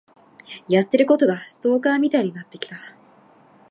やってることがストーカーみたいになってきた。